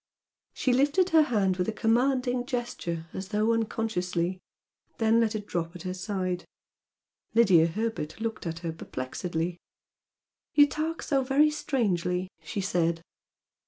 She lifted her hand with a commanding gesture as though unconsciously, then let it drop at her side. Lydia Herbert looked at her perplexedly. "You talk so very strangely!" she said.